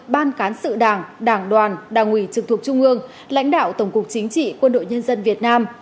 ban cán sự đảng đảng đoàn đảng ủy trực thuộc trung ương lãnh đạo tổng cục chính trị quân đội nhân dân việt nam